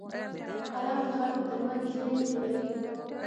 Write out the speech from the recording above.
قلم د خلکو ترمنځ ذهن جوړوي